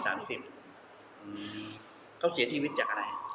เขาเสียชีวิตจากอะไร